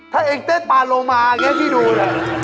ถ้าเองเต้นป่าโลมาร์อังกฤษคิดดูเนี่ย